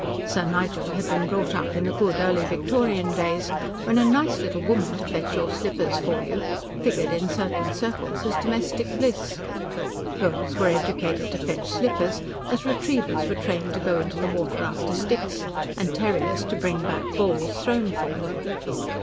Sir Nigel had been brought up in the good Early Victorian days when "a nice little woman to fetch your slippers for you" figured in certain circles as domestic bliss. Girls were educated to fetch slippers as retrievers were trained to go into the water after sticks, and terriers to bring back balls thrown for them.